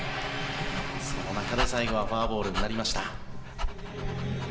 その中で最後はフォアボールになりました。